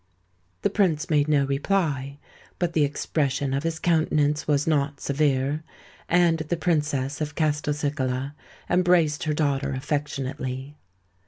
The Prince made no reply: but the expression of his countenance was not severe; and the Princess of Castelcicala embraced her daughter affectionately.